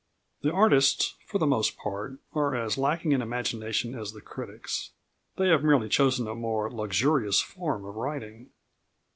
The artists, for the most part, are as lacking in imagination as the critics. They have merely chosen a more luxurious form of writing.